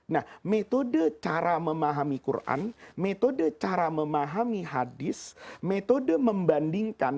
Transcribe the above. nah metode cara memahami quran metode cara memahami hadis metode membandingkan